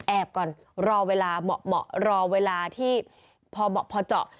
ก่อนรอเวลาเหมาะรอเวลาที่พอเหมาะพอเจาะ